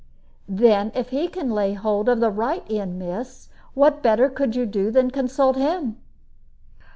"Then if he can lay hold of the right end, miss, what better could you do than consult him?"